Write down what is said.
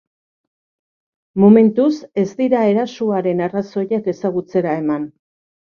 Momentuz, ez dira erasoaren arrazoiak ezagutzera eman.